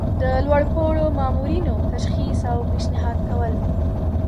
د لوړ پوړو مامورینو تشخیص او پیشنهاد کول.